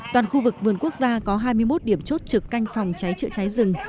toàn khu vực vườn quốc gia có hai mươi một điểm chốt trực canh phòng cháy chữa cháy rừng